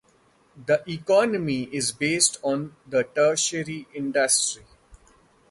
The economy is based on the tertiary industry.